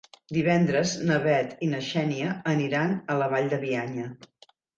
Divendres na Bet i na Xènia aniran a la Vall de Bianya.